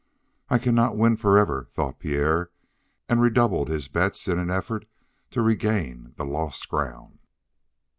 "I cannot win forever," thought Pierre, and redoubled his bets in an effort to regain the lost ground.